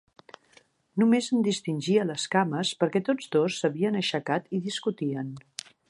Només en distingia les cames perquè tots dos s'havien aixecat i discutien.